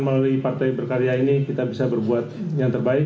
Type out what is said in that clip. melalui partai berkarya ini kita bisa berbuat yang terbaik